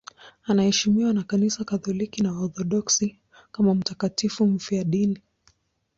Anaheshimiwa na Kanisa Katoliki na Waorthodoksi kama mtakatifu mfiadini.